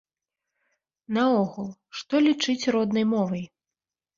Наогул, што лічыць роднай мовай?